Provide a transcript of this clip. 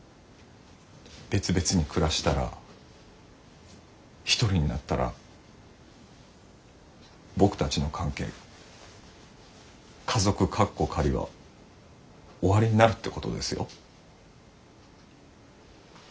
別々に暮らしたら一人になったら僕たちの関係家族カッコ仮は終わりになるってことですよ？